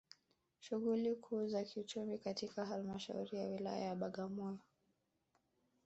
Shughuli kuu za kiuchumi katika Halmashauri ya Wilaya ya Bagamoyo